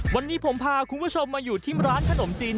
วันนี้ผมพาคุณผู้ชมมาอยู่ที่ร้านขนมจีน